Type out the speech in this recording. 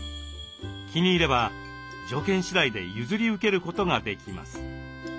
気に入れば条件次第で譲り受けることができます。